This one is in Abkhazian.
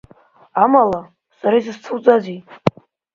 Амала, сара изысцәуӡазеи!